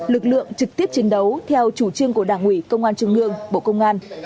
lực lượng trực tiếp chiến đấu theo chủ trương của đảng ủy công an trung ương bộ công an